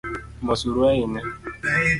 Mos huru ahinya .